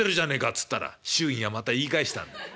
っつったら祝儀がまた言い返したんだよ。